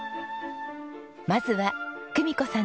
まずは久美子さん